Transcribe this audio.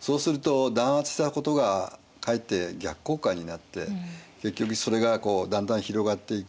そうすると弾圧したことがかえって逆効果になって結局それがだんだん広がっていく。